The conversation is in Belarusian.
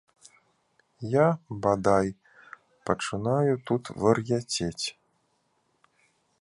Я, бадай, пачынаю тут вар'яцець.